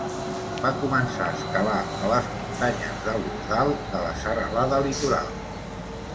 Va començar a escalar a les Muntanyes de l'Ordal de la serralada litoral.